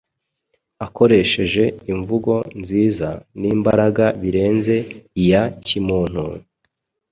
Akoresheje imvugo nziza n’imbaraga birenze iya kimuntu,